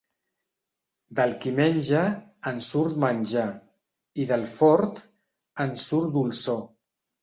Del qui menja, en surt menjar, i del fort, en surt dolçor.